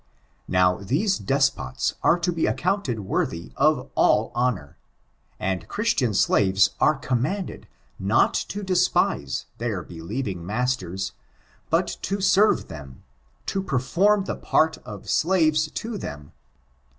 Now, these despots are to be accounted worthy of all honor; and Christian slaves are commanded not to despise their believing masters, but to serve them— to perform the part of slaves to them^ — douUwetosan.